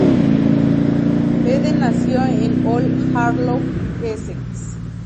Eden nació en Old Harlow, Essex.